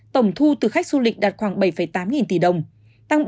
tổng thu từ khách du lịch đến hà nội tăng hai bảy mươi tám so với tháng hai